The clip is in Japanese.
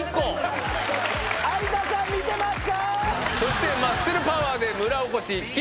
そしてマッスルパワーで村おこし。